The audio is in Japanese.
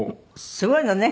すごいのね。